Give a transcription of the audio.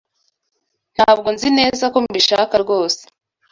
Ntabwo nzi neza ko mbishaka rwose.